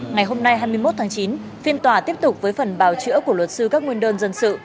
ngày hôm nay hai mươi một tháng chín phiên tòa tiếp tục với phần bào chữa của luật sư các nguyên đơn dân sự